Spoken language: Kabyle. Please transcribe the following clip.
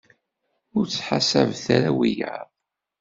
Ur ttḥasabet ara wiyaḍ.